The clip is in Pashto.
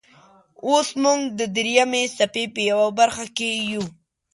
اوس موږ د دریمې څپې په یوه برخې کې یو.